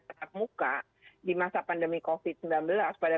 tetap muka di masa pandemi covid sembilan belas pada